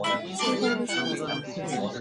সেই ভালোবাসা আঞ্জলি।